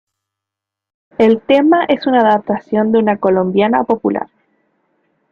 El tema es una adaptación de una colombiana popular.